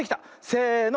せの。